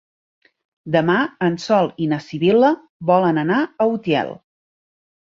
Demà en Sol i na Sibil·la volen anar a Utiel.